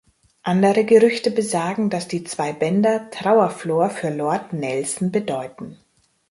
Andere Gerüchte besagen, dass die zwei Bänder Trauerflor für Lord Nelson bedeuten.